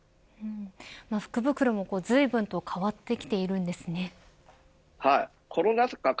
福袋もずいぶんと変わってきているんですね。